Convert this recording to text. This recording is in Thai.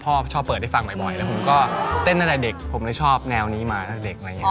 พ่อชอบเปิดให้ฟังใหม่แล้วผมก็เต้นตั้งแต่เด็กผมเลยชอบแนวนี้มาตั้งแต่เด็ก